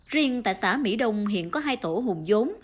riêng tại xã mỹ đông hiện có hai tổ hùng giống